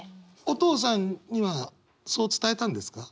お父さんにはそう伝えたんですか？